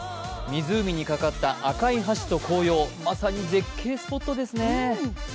湖にかかった赤い橋と紅葉、まさに絶景スポットですね。